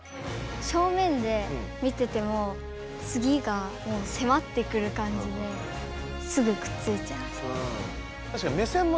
正面で見ててもつぎがせまってくるかんじですぐくっついちゃいました。